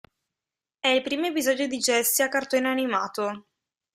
È il primo episodio di Jessie a cartone animato.